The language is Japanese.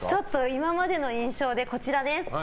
今までの印象で、こちらです。